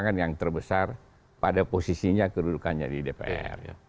sumbangan yang terbesar pada posisinya kedudukannya di dpr